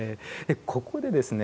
ここでですね